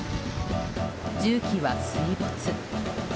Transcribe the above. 重機は水没。